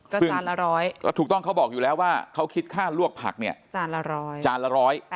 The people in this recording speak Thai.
ก็จานละร้อยก็ถูกต้องเขาบอกอยู่แล้วว่าเขาคิดค่าลวกผักเนี่ยจานละร้อยจานละร้อย